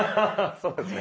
そうですね。